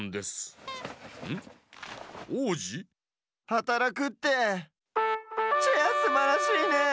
はたらくってチェアすばらしいね。